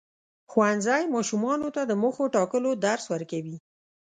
ښوونځی ماشومانو ته د موخو ټاکلو درس ورکوي.